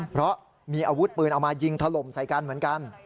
เพราะมีอาวุธปืนเอามายิงถล่มใส่กันเหมือนกัน